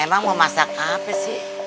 emang mau masak apa sih